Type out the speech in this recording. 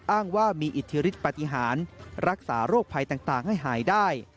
อ้างว่ามีอิทธิฤทธิปฏิหารรักษาโรคภัยต่างให้หายได้